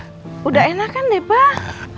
sudah enak kan deh pak